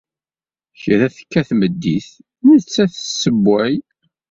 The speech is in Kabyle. Kra tekka tmeddit, nettat tessewway.